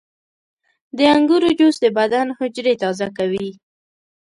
• د انګورو جوس د بدن حجرې تازه کوي.